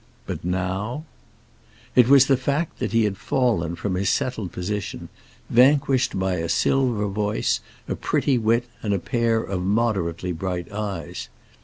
But now It was the fact that he had fallen from his settled position, vanquished by a silver voice, a pretty wit, and a pair of moderately bright eyes.